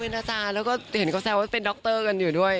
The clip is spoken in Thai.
เป็นอาจารย์แล้วก็เห็นเขาแซวว่าเป็นดรกันอยู่ด้วย